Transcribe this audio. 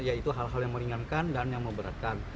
yaitu hal hal yang meringankan dan yang memberatkan